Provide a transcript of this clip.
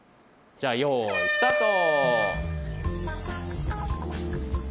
じゃあよいスタート！